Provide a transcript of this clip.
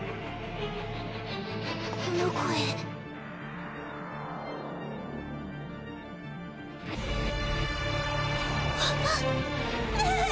この声あ。